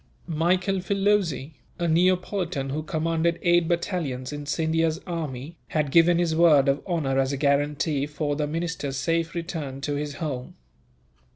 Michel Filoze, a Neapolitan who commanded eight battalions in Scindia's army, had given his word of honour as a guarantee for the minister's safe return to his home.